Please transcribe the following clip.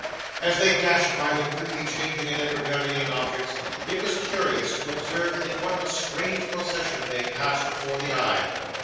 As they dashed by the quickly changing and ever varying objects, it was curious to observe in what a strange procession they passed before the eye.